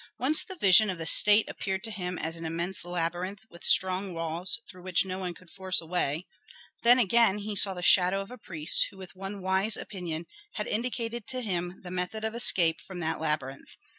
Once the vision of the state appeared to him as an immense labyrinth with strong walls through which no one could force a way, then again he saw the shadow of a priest who with one wise opinion had indicated to him the method of escape from that labyrinth.